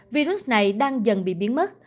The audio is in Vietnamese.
virus này đang dần bị biến mất